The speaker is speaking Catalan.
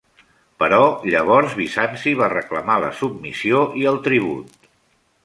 Però llavors Bizanci va reclamar la submissió i el tribut.